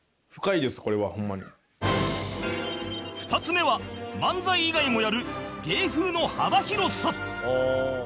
２つ目は漫才以外もやる芸風の幅広さ